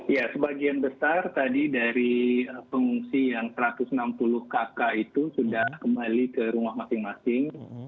ya sebagian besar tadi dari pengungsi yang satu ratus enam puluh kakak itu sudah kembali ke rumah masing masing